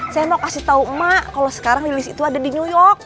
saya mau kasih tau mak kalau sekarang lilis itu ada di nyuyok